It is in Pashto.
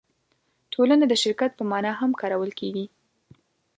ټولنه د شرکت په مانا هم کارول کېږي.